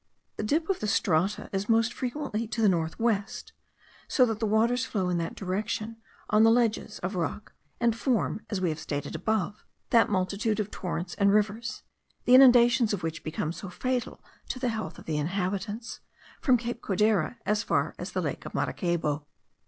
The dip of the strata is most frequently to the north west; so that the waters flow in that direction on the ledges of rock; and form, as we have stated above, that multitude of torrents and rivers, the inundations of which become so fatal to the health of the inhabitants, from cape Codera as far as the lake of Maracaybo.